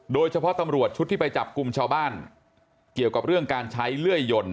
โดยเฉพาะตำรวจชุดที่ไปจับกลุ่มชาวบ้านเกี่ยวกับเรื่องการใช้เลื่อยยนต์